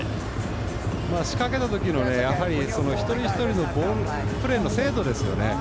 仕掛けた時の、一人一人のプレーの精度ですよね。